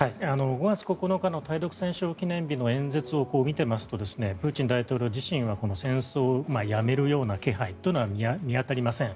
５月９日の対独戦勝記念日の演説を見ていますとプーチン大統領自身はこの戦争をやめるような気配というのは見当たりません。